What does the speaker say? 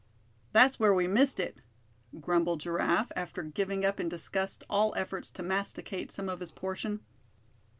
"That's where we missed it," grumbled Giraffe, after giving up in disgust all efforts to masticate some of his portion.